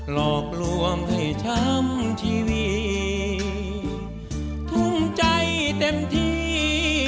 หลอกลวงให้ช้ำชีวิตทุ่มใจเต็มที่